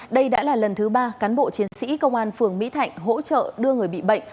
đây đã là lần thứ ba cán bộ chiến sĩ công an phường mỹ thạnh hỗ trợ đưa người bị bệnh